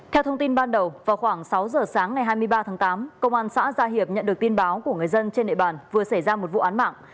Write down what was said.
theo thông tin ban đầu vào khoảng sáu giờ sáng ngày hai mươi ba tháng tám công an xã gia hiệp nhận được tin báo của người dân trên địa bàn vừa xảy ra một vụ án mạng